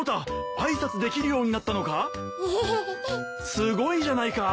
すごいじゃないか。